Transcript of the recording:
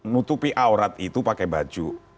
nutupi aurat itu pakai baju